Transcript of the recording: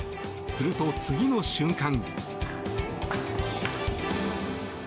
すると、次の瞬間。